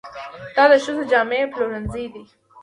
دا د ښځو جامې پلورنځی دی.